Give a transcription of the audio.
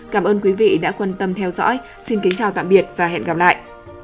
cảm ơn quý vị đã quan tâm theo dõi xin kính chào tạm biệt và hẹn gặp lại